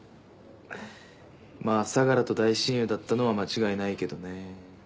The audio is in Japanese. まぁ相楽と大親友だったのは間違いないけどね。